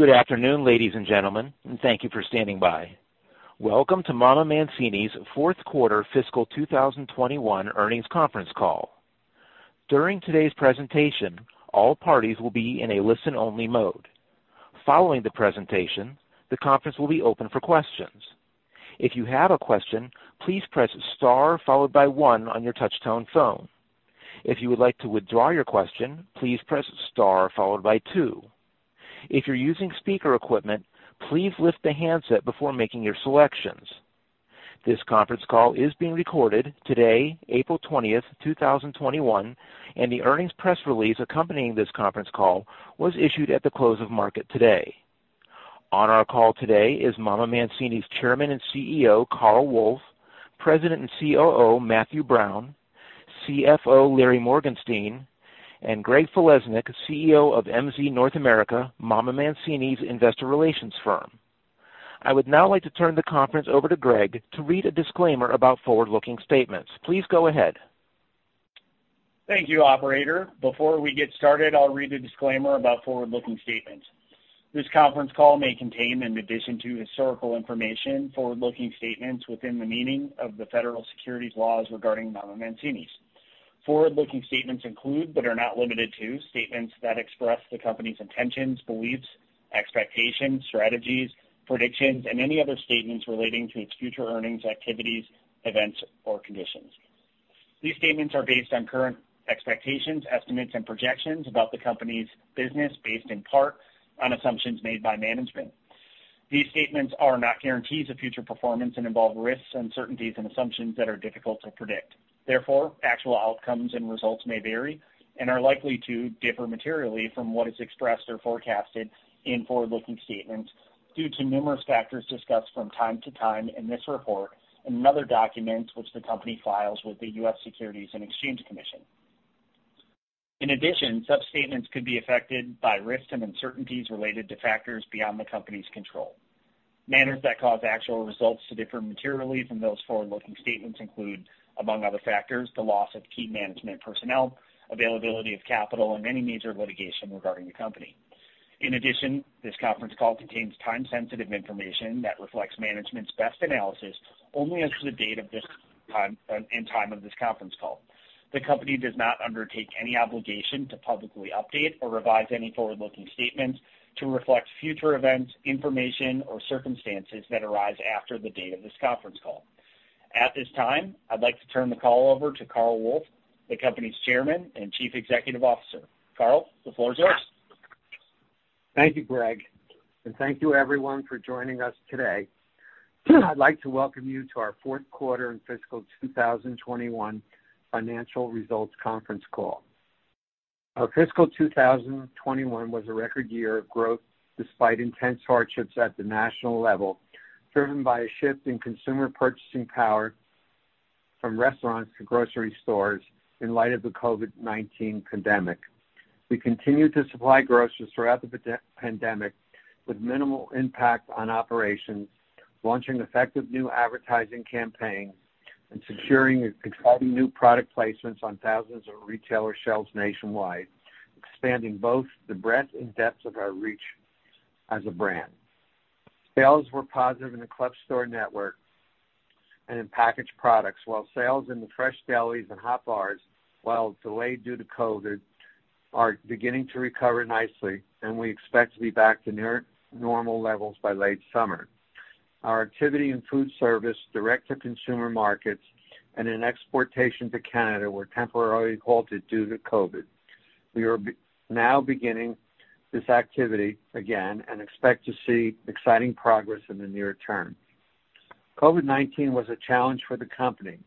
Good afternoon, ladies and gentlemen, and thank you for standing by. Welcome to MamaMancini's fourth quarter fiscal 2021 earnings conference call. During today's presentation, all parties will be in a listen-only mode. Following the presentation, the conference will be open for questions. If you have a question, please press star followed by one on your touch-tone phone. If you would like to withdraw your question, please press star followed by two. If you're using speaker equipment, please lift the handset before making your selections. This conference call is being recorded today, April 20th, 2021, and the earnings press release accompanying this conference call was issued at the close of market today. On our call today is MamaMancini's Chairman and CEO Carl Wolf, President and COO Matthew Brown, CFO Larry Morgenstein, and Greg Falesnik, CEO of MZ North America, MamaMancini's investor relations firm. I would now like to turn the conference over to Greg to read a disclaimer about forward-looking statements. Please go ahead. Thank you, operator. Before we get started, I'll read a disclaimer about forward-looking statements. This conference call may contain, in addition to historical information, forward-looking statements within the meaning of the federal securities laws regarding MamaMancini's. Forward-looking statements include but are not limited to statements that express the company's intentions, beliefs, expectations, strategies, predictions, and any other statements relating to its future earnings, activities, events, or conditions. These statements are based on current expectations, estimates, and projections about the company's business, based in part on assumptions made by management. These statements are not guarantees of future performance and involve risks, uncertainties, and assumptions that are difficult to predict. Therefore, actual outcomes and results may vary and are likely to differ materially from what is expressed or forecasted in forward-looking statements due to numerous factors discussed from time to time in this report and other documents which the company files with the U.S. Securities and Exchange Commission. In addition, such statements could be affected by risks and uncertainties related to factors beyond the company's control. Matters that cause actual results to differ materially from those forward-looking statements include, among other factors, the loss of key management personnel, availability of capital, and any major litigation regarding the company. In addition, this conference call contains time-sensitive information that reflects management's best analysis only as to the date of this time and time of this conference call. The company does not undertake any obligation to publicly update or revise any forward-looking statements to reflect future events, information, or circumstances that arise after the date of this conference call. At this time, I'd like to turn the call over to Carl Wolf, the company's Chairman and Chief Executive Officer. Carl, the floor's yours. Thank you, Greg, and thank you, everyone, for joining us today. I'd like to welcome you to our fourth quarter and fiscal 2021 financial results conference call. Our fiscal 2021 was a record year of growth despite intense hardships at the national level driven by a shift in consumer purchasing power from restaurants to grocery stores in light of the COVID-19 pandemic. We continued to supply groceries throughout the pandemic with minimal impact on operations, launching effective new advertising campaigns, and securing exciting new product placements on thousands of retailer shelves nationwide, expanding both the breadth and depth of our reach as a brand. Sales were positive in the club store network and in packaged products, while sales in the fresh delis and hot bars, while delayed due to COVID, are beginning to recover nicely, and we expect to be back to near-normal levels by late summer. Our activity in food service, direct-to-consumer markets, and in exportation to Canada were temporarily halted due to COVID. We are now beginning this activity again and expect to see exciting progress in the near term. COVID-19 was a challenge for the company,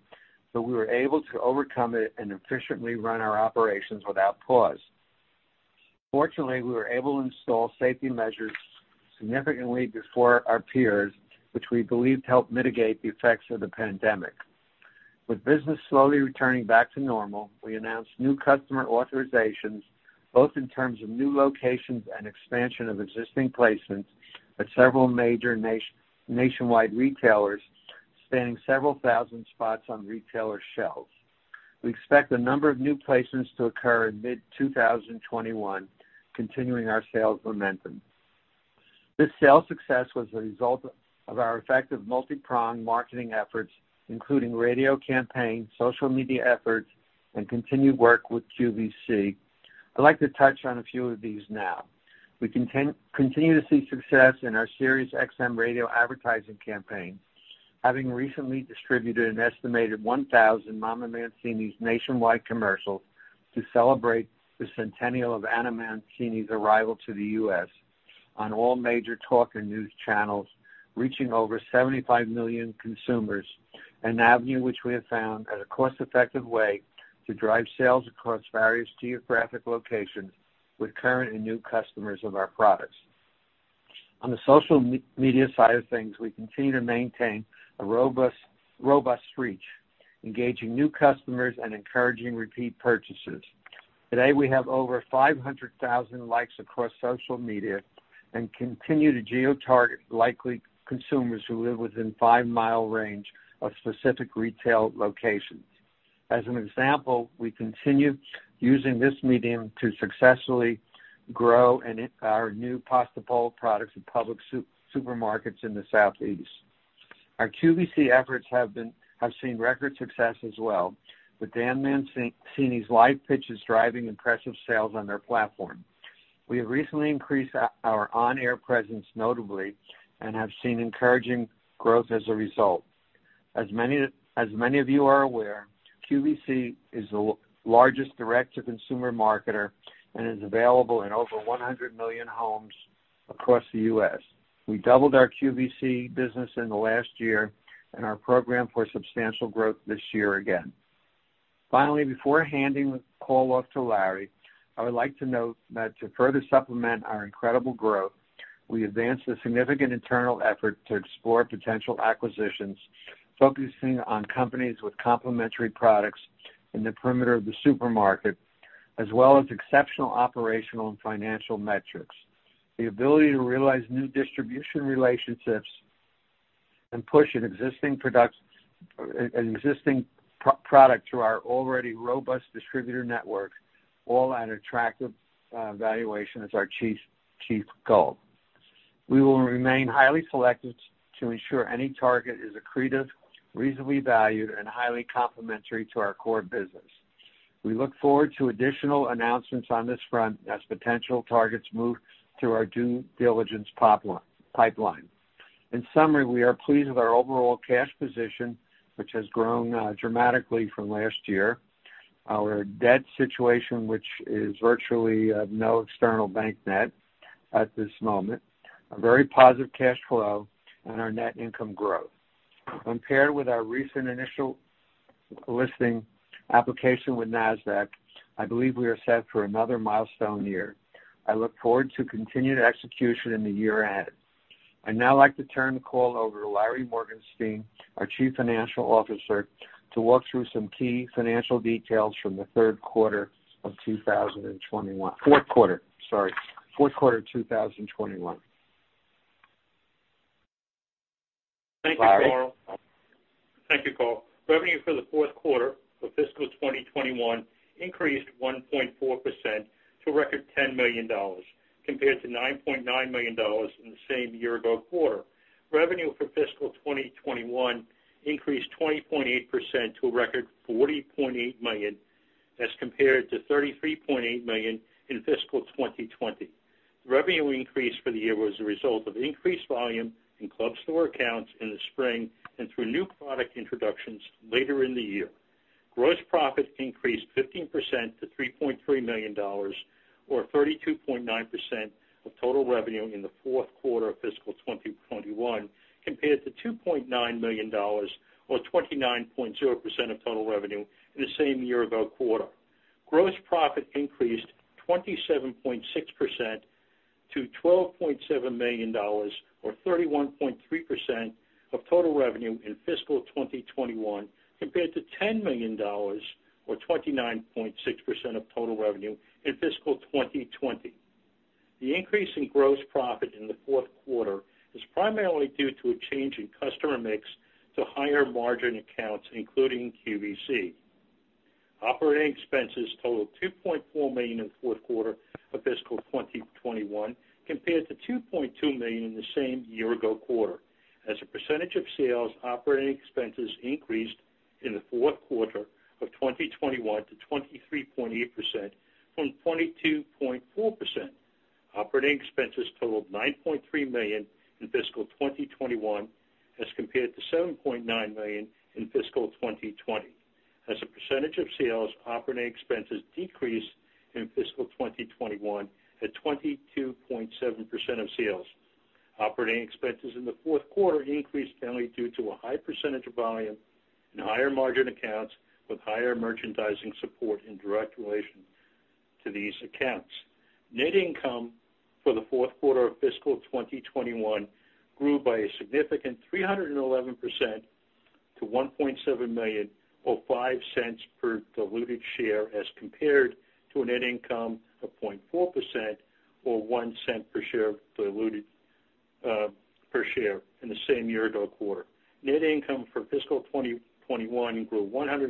but we were able to overcome it and efficiently run our operations without pause. Fortunately, we were able to install safety measures significantly before our peers, which we believed helped mitigate the effects of the pandemic. With business slowly returning back to normal, we announced new customer authorizations, both in terms of new locations and expansion of existing placements at several major nationwide retailers, spanning several thousand spots on retailer shelves. We expect a number of new placements to occur in mid-2021, continuing our sales momentum. This sales success was the result of our effective multipronged marketing efforts, including radio campaigns, social media efforts, and continued work with QVC. I'd like to touch on a few of these now. We continue to see success in our SiriusXM radio advertising campaign, having recently distributed an estimated 1,000 MamaMancini's nationwide commercials to celebrate the centennial of Anna Mancini's arrival to the U.S. on all major talk and news channels, reaching over 75 million consumers, an avenue which we have found as a cost-effective way to drive sales across various geographic locations with current and new customers of our products. On the social media side of things, we continue to maintain a robust reach, engaging new customers and encouraging repeat purchases. Today, we have over 500,000 likes across social media and continue to geotarget likely consumers who live within five-mile range of specific retail locations. As an example, we continue using this medium to successfully grow our new pasta bowl products at Publix supermarkets in the Southeast. Our QVC efforts have seen record success as well, with Dan Mancini's live pitches driving impressive sales on their platform. We have recently increased our on-air presence notably and have seen encouraging growth as a result. As many of you are aware, QVC is the largest direct-to-consumer marketer and is available in over 100 million homes across the U.S. We doubled our QVC business in the last year and our program for substantial growth this year again. Finally, before handing the call off to Larry, I would like to note that to further supplement our incredible growth, we advanced a significant internal effort to explore potential acquisitions focusing on companies with complementary products in the perimeter of the supermarket, as well as exceptional operational and financial metrics. The ability to realize new distribution relationships and push an existing product through our already robust distributor network, all at attractive valuation, is our chief goal. We will remain highly selective to ensure any target is accretive, reasonably valued, and highly complementary to our core business. We look forward to additional announcements on this front as potential targets move through our due diligence pipeline. In summary, we are pleased with our overall cash position, which has grown dramatically from last year, our debt situation, which is virtually of no external bank debt at this moment, a very positive cash flow, and our net income growth. Compared with our recent initial listing application with NASDAQ, I believe we are set for another milestone year. I look forward to continued execution in the year ahead. I'd now like to turn the call over to Larry Morgenstein, our Chief Financial Officer, to walk through some key financial details from the third quarter of 2021, fourth quarter, sorry, fourth quarter 2021. Thank you, Carl. Revenue for the fourth quarter for fiscal 2021 increased 1.4% to a record $10 million compared to $9.9 million in the same year-ago quarter. Revenue for fiscal 2021 increased 20.8% to a record $40.8 million as compared to $33.8 million in fiscal 2020. Revenue increase for the year was a result of increased volume in club store accounts in the spring and through new product introductions later in the year. Gross profit increased 15% to $3.3 million, or 32.9% of total revenue in the fourth quarter of fiscal 2021 compared to $2.9 million, or 29.0% of total revenue in the same year-ago quarter. Gross profit increased 27.6% to $12.7 million, or 31.3% of total revenue in fiscal 2021 compared to $10 million, or 29.6% of total revenue in fiscal 2020. The increase in gross profit in the fourth quarter is primarily due to a change in customer mix to higher margin accounts, including QVC. Operating expenses totaled $2.4 million in the fourth quarter of fiscal 2021 compared to $2.2 million in the same year-ago quarter. As a percentage of sales, operating expenses increased in the fourth quarter of 2021 to 23.8% from 22.4%. Operating expenses totaled $9.3 million in fiscal 2021 as compared to $7.9 million in fiscal 2020. As a percentage of sales, operating expenses decreased in fiscal 2021 at 22.7% of sales. Operating expenses in the fourth quarter increased mainly due to a high percentage of volume and higher margin accounts with higher merchandising support in direct relation to these accounts. Net income for the fourth quarter of fiscal 2021 grew by a significant 311% to $1.7 million, or $0.05 per diluted share as compared to a net income of $0.4 million, or $0.01 per diluted share in the same year-ago quarter. Net income for fiscal 2021 grew 165%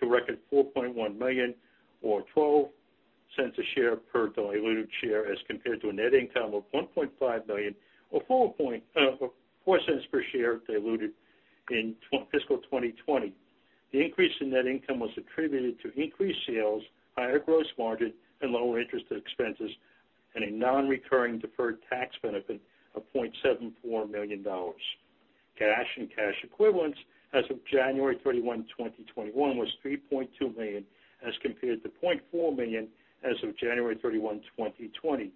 to a record $4.1 million, or $0.12 per diluted share as compared to a net income of $1.5 million, or $0.04 per diluted share in fiscal 2020. The increase in net income was attributed to increased sales, higher gross margin, and lower interest expenses, and a non-recurring deferred tax benefit of $0.74 million. Cash and cash equivalents as of January 31, 2021, was $3.2 million as compared to $0.4 million as of January 31, 2020.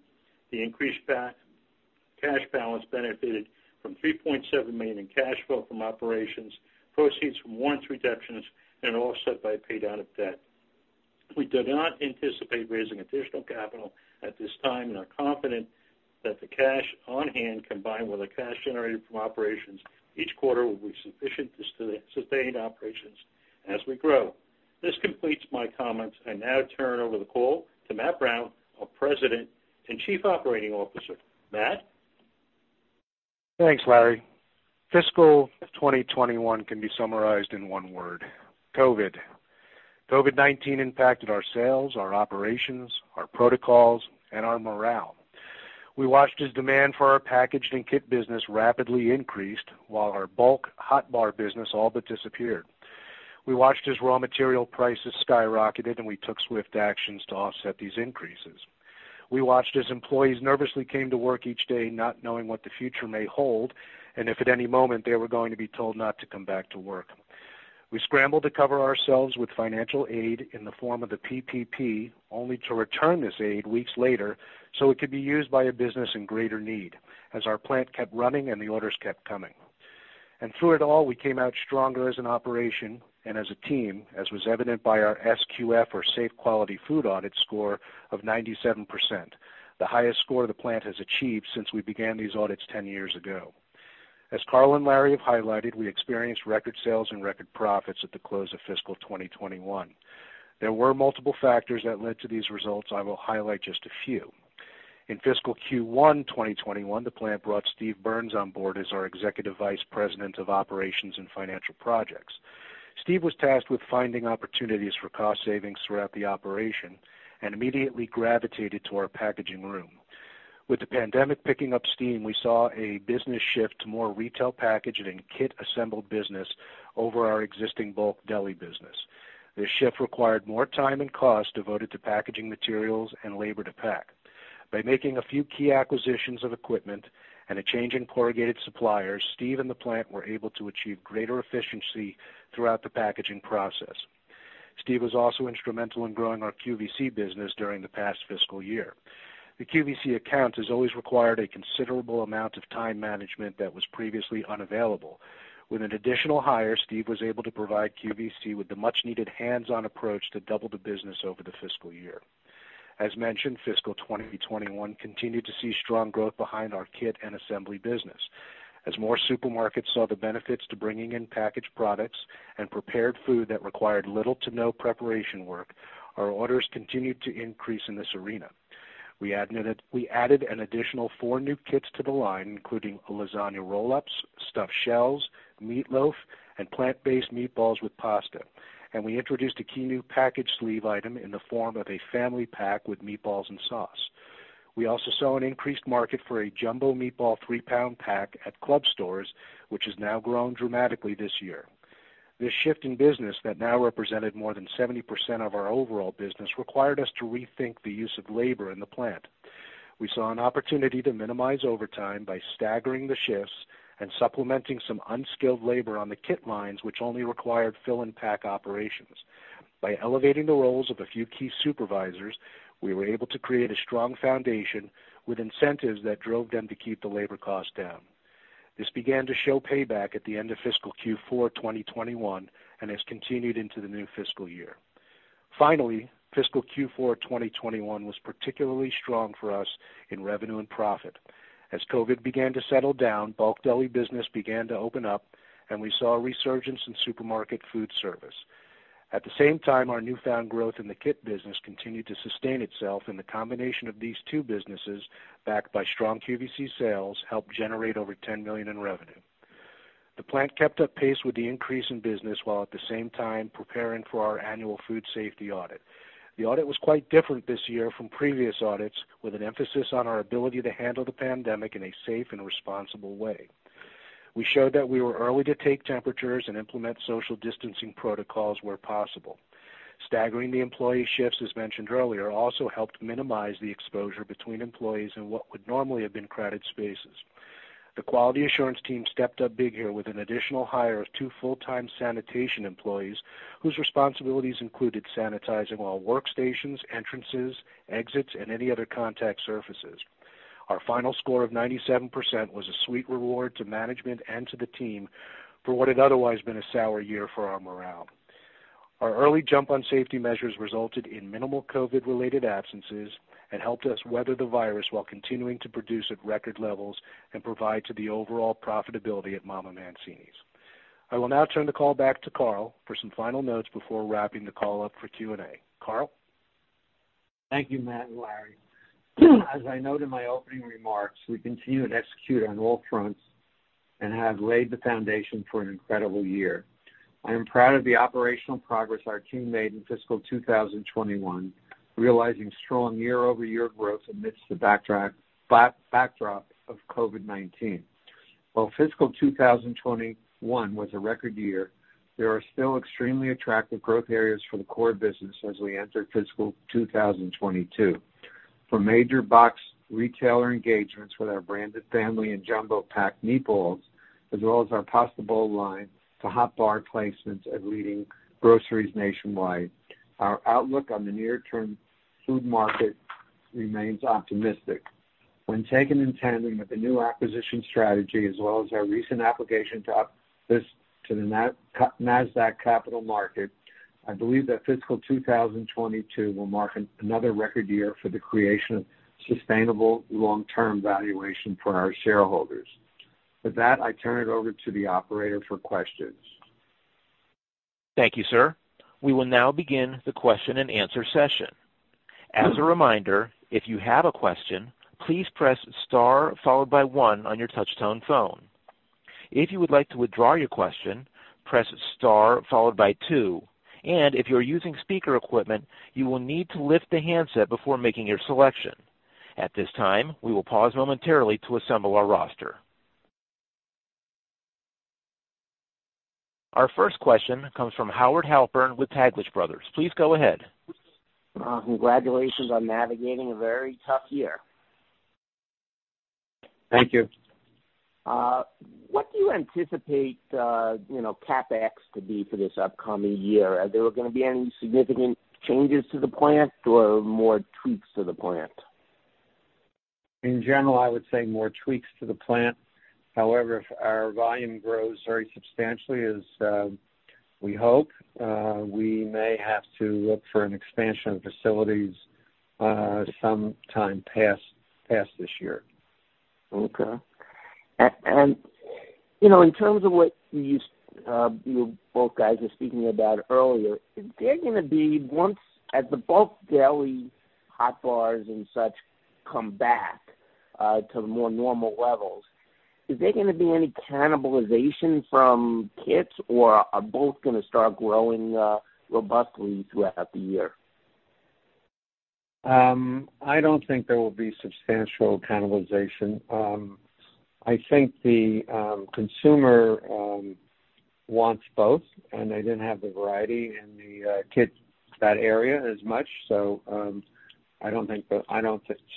The increased cash balance benefited from $3.7 million in cash flow from operations, proceeds from warrant redemptions, and an offset by pay down of debt. We do not anticipate raising additional capital at this time, and are confident that the cash on hand combined with the cash generated from operations each quarter will be sufficient to sustain operations as we grow. This completes my comments. I now turn over the call to Matt Brown, our President and Chief Operating Officer. Matt. Thanks, Larry. Fiscal 2021 can be summarized in one word: COVID. COVID-19 impacted our sales, our operations, our protocols, and our morale. We watched as demand for our packaged and kit business rapidly increased while our bulk hot bar business all but disappeared. We watched as raw material prices skyrocketed, and we took swift actions to offset these increases. We watched as employees nervously came to work each day not knowing what the future may hold and if at any moment they were going to be told not to come back to work. We scrambled to cover ourselves with financial aid in the form of the PPP only to return this aid weeks later so it could be used by a business in greater need as our plant kept running and the orders kept coming. Through it all, we came out stronger as an operation and as a team, as was evident by our SQF, or Safe Quality Food Audit, score of 97%, the highest score the plant has achieved since we began these audits 10 years ago. As Carl and Larry have highlighted, we experienced record sales and record profits at the close of fiscal 2021. There were multiple factors that led to these results. I will highlight just a few. In fiscal Q1 2021, the plant brought Steve Burns on board as our Executive Vice President of Operations and Financial Projects. Steve was tasked with finding opportunities for cost savings throughout the operation and immediately gravitated to our packaging room. With the pandemic picking up steam, we saw a business shift to more retail packaged and kit assembled business over our existing bulk deli business. This shift required more time and cost devoted to packaging materials and labor to pack. By making a few key acquisitions of equipment and a change in corrugated suppliers, Steve and the plant were able to achieve greater efficiency throughout the packaging process. Steve was also instrumental in growing our QVC business during the past fiscal year. The QVC accounts has always required a considerable amount of time management that was previously unavailable. With an additional hire, Steve was able to provide QVC with the much-needed hands-on approach to double the business over the fiscal year. As mentioned, fiscal 2021 continued to see strong growth behind our kit and assembly business. As more supermarkets saw the benefits to bringing in packaged products and prepared food that required little to no preparation work, our orders continued to increase in this arena. We added an additional 4 new kits to the line, including Lasagna roll-ups, Stuffed shells, Meatloaf, and Plant-based meatballs with pasta, and we introduced a key new package sleeve item in the form of a Family pack with meatballs and sauce. We also saw an increased market for a Jumbo meatball 3-pound pack at club stores, which has now grown dramatically this year. This shift in business that now represented more than 70% of our overall business required us to rethink the use of labor in the plant. We saw an opportunity to minimize overtime by staggering the shifts and supplementing some unskilled labor on the kit lines, which only required fill-and-pack operations. By elevating the roles of a few key supervisors, we were able to create a strong foundation with incentives that drove them to keep the labor cost down. This began to show payback at the end of fiscal Q4 2021 and has continued into the new fiscal year. Finally, fiscal Q4 2021 was particularly strong for us in revenue and profit. As COVID began to settle down, bulk deli business began to open up, and we saw a resurgence in supermarket food service. At the same time, our newfound growth in the kit business continued to sustain itself, and the combination of these two businesses, backed by strong QVC sales, helped generate over $10 million in revenue. The plant kept up pace with the increase in business while at the same time preparing for our annual food safety audit. The audit was quite different this year from previous audits, with an emphasis on our ability to handle the pandemic in a safe and responsible way. We showed that we were early to take temperatures and implement social distancing protocols where possible. Staggering the employee shifts, as mentioned earlier, also helped minimize the exposure between employees in what would normally have been crowded spaces. The quality assurance team stepped up big here with an additional hire of two full-time sanitation employees whose responsibilities included sanitizing all workstations, entrances, exits, and any other contact surfaces. Our final score of 97% was a sweet reward to management and to the team for what had otherwise been a sour year for our morale. Our early jump-on safety measures resulted in minimal COVID-related absences and helped us weather the virus while continuing to produce at record levels and provide to the overall profitability at MamaMancini's. I will now turn the call back to Carl for some final notes before wrapping the call up for Q&A. Carl? Thank you, Matt and Larry. As I noted in my opening remarks, we continue to execute on all fronts and have laid the foundation for an incredible year. I am proud of the operational progress our team made in fiscal 2021, realizing strong year-over-year growth amidst the backdrop of COVID-19. While fiscal 2021 was a record year, there are still extremely attractive growth areas for the core business as we enter fiscal 2022. From major box retailer engagements with our branded family and jumbo pack meatballs, as well as our pasta bowl line to hot bar placements at leading groceries nationwide, our outlook on the near-term food market remains optimistic. When taken in tandem with the new acquisition strategy, as well as our recent application to the NASDAQ Capital Market, I believe that fiscal 2022 will mark another record year for the creation of sustainable long-term valuation for our shareholders. With that, I turn it over to the operator for questions. Thank you, sir. We will now begin the question-and-answer session. As a reminder, if you have a question, please press star followed by 1 on your touch-tone phone. If you would like to withdraw your question, press star followed by 2. If you're using speaker equipment, you will need to lift the handset before making your selection. At this time, we will pause momentarily to assemble our roster. Our first question comes from Howard Halpern with Taglich Brothers. Please go ahead. Congratulations on navigating a very tough year. Thank you. What do you anticipate CapEx to be for this upcoming year? Are there going to be any significant changes to the plant or more tweaks to the plant? In general, I would say more tweaks to the plant. However, if our volume grows very substantially, as we hope, we may have to look for an expansion of facilities sometime past this year. Okay. And in terms of what you both guys were speaking about earlier, is there going to be once the bulk deli hot bars and such come back to the more normal levels, is there going to be any cannibalization from kits, or are both going to start growing robustly throughout the year? I don't think there will be substantial cannibalization. I think the consumer wants both, and they didn't have the variety in that area as much, so I don't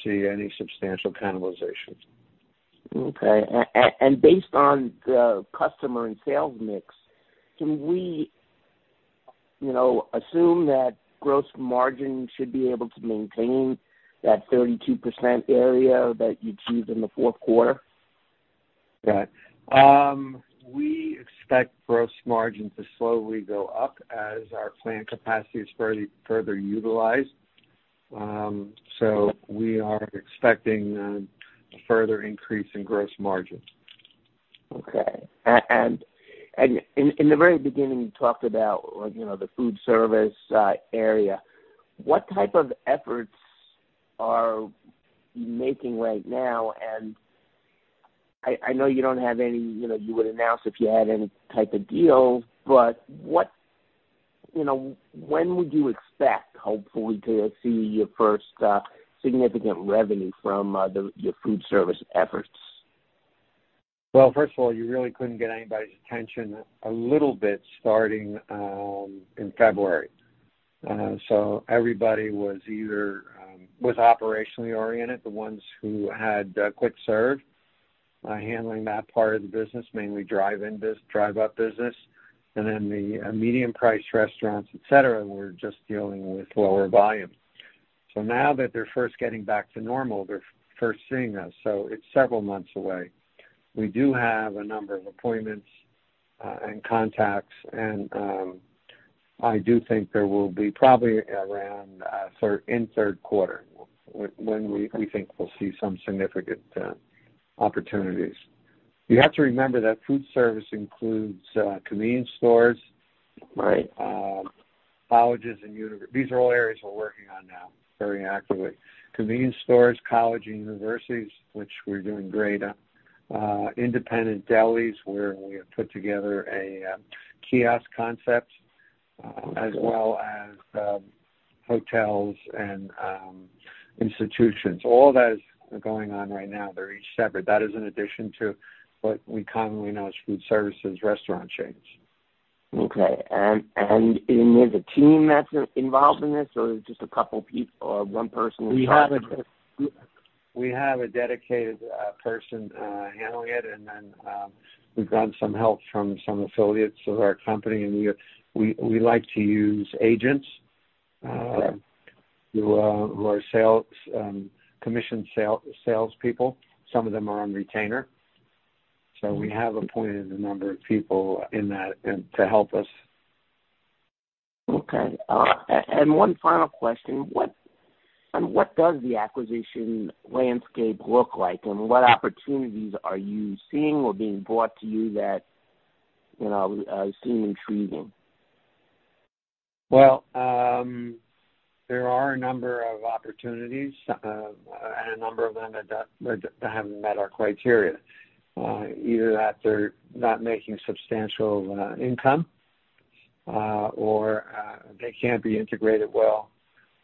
see any substantial cannibalization. Okay. Based on the customer and sales mix, can we assume that gross margin should be able to maintain that 32% area that you achieved in the fourth quarter? Got it. We expect gross margin to slowly go up as our plant capacity is further utilized, so we are expecting a further increase in gross margin. Okay. In the very beginning, you talked about the food service area. What type of efforts are you making right now? And I know you don't have any you would announce if you had any type of deal, but when would you expect, hopefully, to see your first significant revenue from your food service efforts? Well, first of all, you really couldn't get anybody's attention a little bit starting in February. So everybody was either operationally oriented, the ones who had quick serve, handling that part of the business, mainly drive-up business, and then the medium-priced restaurants, etc., were just dealing with lower volume. So now that they're first getting back to normal, they're first seeing us, so it's several months away. We do have a number of appointments and contacts, and I do think there will be probably around in third quarter when we think we'll see some significant opportunities. You have to remember that food service includes convenience stores, colleges, and these are all areas we're working on now very actively: convenience stores, college, and universities, which we're doing great. Independent delis where we have put together a kiosk concept; as well as hotels and institutions. All that is going on right now. They're each separate. That is in addition to what we commonly know as food services restaurant chains. Okay. And is there a team that's involved in this, or is it just a couple of people or one person in charge? We have a dedicated person handling it, and then we've gotten some help from some affiliates of our company. We like to use agents who are commissioned salespeople. Some of them are on retainer, so we have appointed a number of people in that to help us. Okay. One final question. What does the acquisition landscape look like, and what opportunities are you seeing or being brought to you that seem intriguing? Well, there are a number of opportunities, and a number of them that haven't met our criteria, either that they're not making substantial income or they can't be integrated well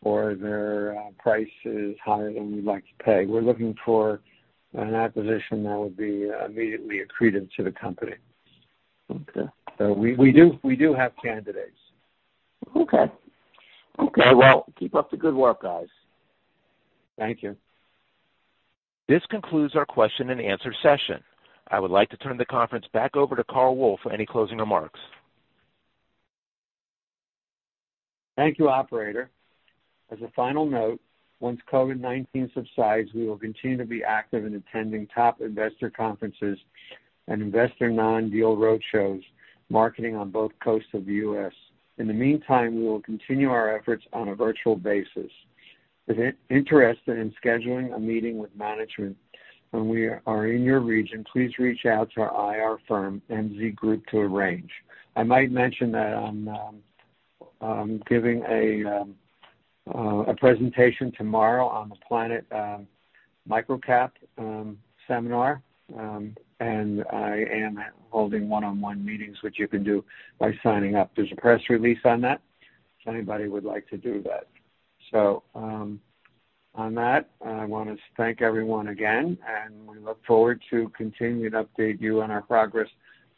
or their price is higher than we'd like to pay. We're looking for an acquisition that would be immediately accretive to the company. So we do have candidates. Okay. Okay. Well, keep up the good work, guys. Thank you. This concludes our question-and-answer session. I would like to turn the conference back over to Carl Wolf for any closing remarks. Thank you, operator. As a final note, once COVID-19 subsides, we will continue to be active in attending top investor conferences and investor non-deal roadshows marketing on both coasts of the U.S. In the meantime, we will continue our efforts on a virtual basis. If interested in scheduling a meeting with management when we are in your region, please reach out to our IR firm, MZ Group, to arrange. I might mention that I'm giving a presentation tomorrow on the Planet MicroCap seminar, and I am holding one-on-one meetings, which you can do by signing up. There's a press release on that if anybody would like to do that. So on that, I want to thank everyone again, and we look forward to continuing to update you on our progress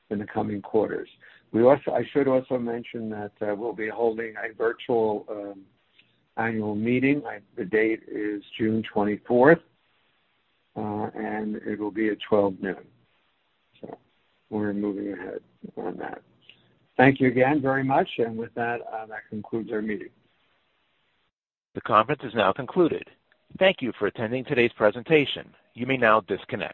in the coming quarters. I should also mention that we'll be holding a virtual annual meeting. The date is June 24th, and it will be at 12:00 P.M. We're moving ahead on that. Thank you again very much, and with that, that concludes our meeting. The conference is now concluded. Thank you for attending today's presentation. You may now disconnect.